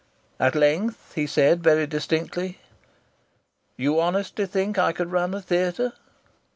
At length he said very distinctly: "You honestly think I could run a theatre?"